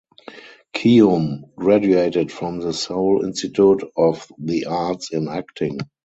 Keum graduated from the Seoul Institute of the Arts in acting.